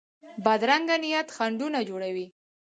بدرنګه نیت خنډونه جوړوي